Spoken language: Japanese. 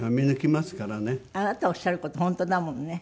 あなたおっしゃる事本当だもんね。